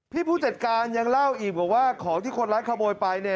พี่ผู้จัดการยังเล่าอีกว่าว่าของที่คนร้านขโมยไป